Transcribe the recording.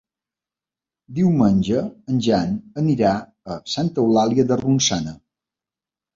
Diumenge en Jan anirà a Santa Eulàlia de Ronçana.